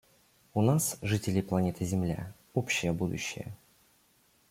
У нас, жителей планеты Земля, общее будущее.